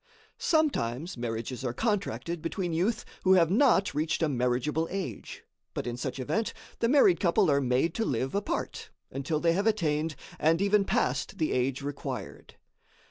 Sometimes marriages are contracted between youth who have not reached a marriageable age, but in such event, the married couple are made to live apart, until they have attained and even passed the age required.